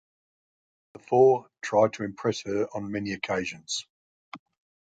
The four try to impress her on many occasions.